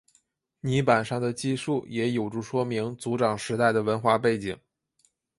泥版上的记述也有助说明族长时代的文化背景。